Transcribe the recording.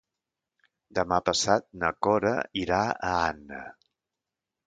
Demà passat na Cora irà a Anna.